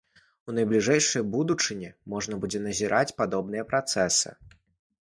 У найбліжэйшай будучыні можна будзе назіраць падобныя працэсы.